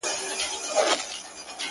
نو مو لاس وي له وحشيی نړۍ پرېولی،